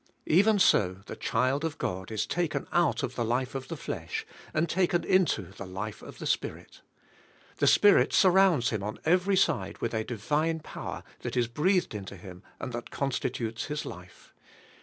Even so the child of God is taken out of the life of the flesh and taken into the life of the Spirit. The Spirit surrounds him on every side 20 th:^ spirituai, i^ifej. with a divine power that is breathed into him and that constitutes his life.